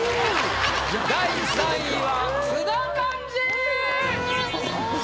第３位は津田寛治！